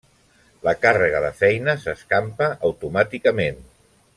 La càrrega de feina s'escampa automàticament.